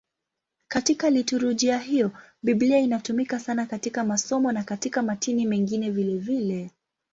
Katika liturujia hiyo Biblia inatumika sana katika masomo na katika matini mengine vilevile.